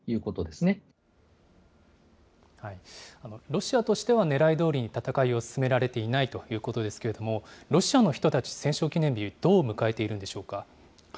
ロシアとしては、ねらいどおりに戦いを進められていないということですけれども、ロシアの人たち、戦勝記念日をどう迎えているんでしょうか。